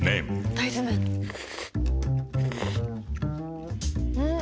大豆麺ん？